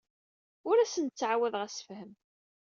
Ur asen-d-ttɛawadeɣ assefhem.